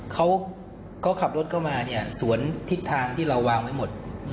เขาขับรถเข้ามาเนี่ยสวนทิศทางที่เราวางไว้หมด